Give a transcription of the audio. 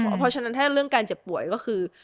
เพราะฉะนั้นถ้าเรื่องการเจ็บป่วยก็คือ